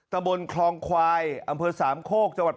ตะบนคลองไขวอสามโครก